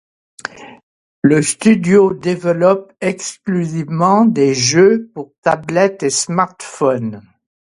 Le studio développe exclusivement des jeux pour tablettes et smartphones.